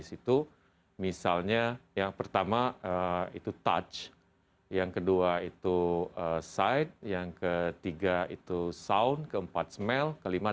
situ misalnya yang pertama itu touch yang kedua itu side yang ketiga itu sound keempat smell kelima